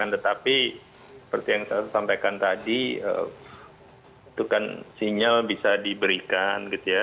tetapi seperti yang saya sampaikan tadi itu kan sinyal bisa diberikan gitu ya